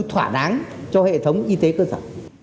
thỏa đáng cho hệ thống y tế cơ sở